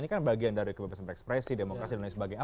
ini kan bagian dari kebebasan berekspresi demokrasi dan lain sebagainya